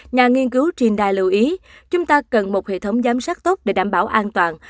nhà nghiên cứu trindai lưu ý chúng ta cần một hệ thống giám sát tốt để đảm bảo an toàn